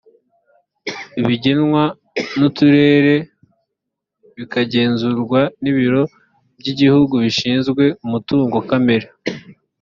bigenwa n’uturere bikagenzurwa n’ibiro by’igihugu bishinzwe umutungo kamere